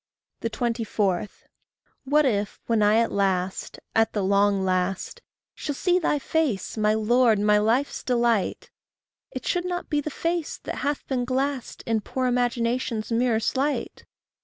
24. What if, when I at last, at the long last, Shall see thy face, my Lord, my life's delight, It should not be the face that hath been glassed In poor imagination's mirror slight!